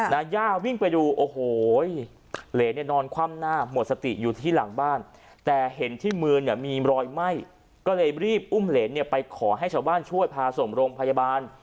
ย่าวิ่งไปดูโอ้โหเหรนเนี่ยนอนคว่ำหน้าหมดสติอยู่ที่หลังบ้านแต่เห็นที่มือเนี่ยมีรอยไหม้ก็เลยรีบอุ้มเหรนเนี่ยไปขอให้ชาวบ้านช่วยพาส่งโรงพยาบาล